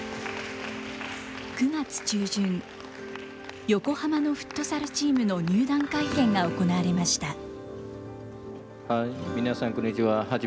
９月中旬、横浜のフットサルチームの入団会見が行われました。